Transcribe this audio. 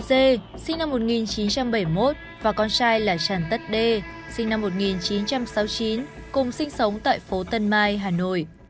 trần sinh năm một nghìn chín trăm bảy mươi một và con trai là trần tất đê sinh năm một nghìn chín trăm sáu mươi chín cùng sinh sống tại phố tân mai hà nội